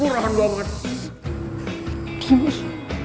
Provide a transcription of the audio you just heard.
murahan luar banget